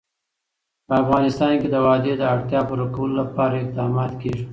په افغانستان کې د وادي د اړتیاوو پوره کولو لپاره اقدامات کېږي.